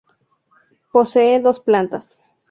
Posee dos plantas.